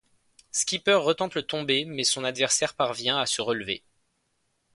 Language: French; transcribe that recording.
Skipper retente le tombé mais son adversaire parvient à se relever.